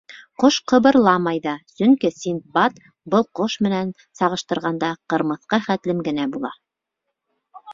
Ҡош ҡыбырламай ҙа, сөнки Синдбад был ҡош менән сағыштырғанда, ҡырмыҫҡа хәтлем генә була.